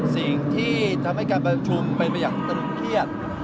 สิ่งที่ทำให้การประชุมเป็นไปอย่างตรึงเครียด